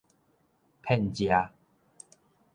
騙食